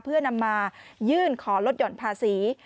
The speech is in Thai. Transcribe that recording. เพื่อนำมายื่นขอลดหย่อนภาษี